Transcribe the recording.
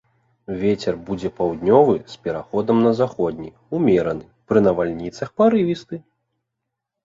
Вецер будзе паўднёвы з пераходам на заходні, умераны, пры навальніцах парывісты.